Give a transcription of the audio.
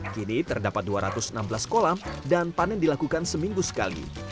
kini terdapat dua ratus enam belas kolam dan panen dilakukan seminggu sekali